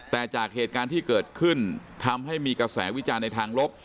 แต่จากเหตุการณ์ที่เกิดขึ้นทำให้มีกระแสวิจารณ์ในทางลบ